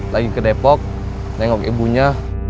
lagi ke depok nengok ibunya